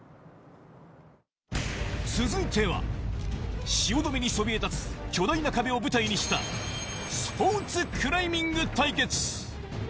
続いては、汐留にそびえ立つ巨大な壁を舞台にしたスポーツクライミング対決。